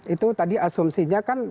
itu tadi asumsinya kan